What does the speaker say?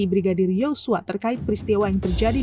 brigadir yosua dengan perintah yang menarik